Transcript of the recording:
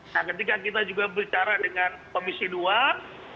nah ketika kita juga berbicara dengan komisi luar